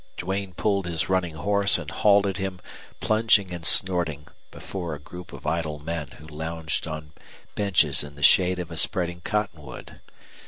Duane pulled his running horse and halted him, plunging and snorting, before a group of idle men who lounged on benches in the shade of a spreading cottonwood.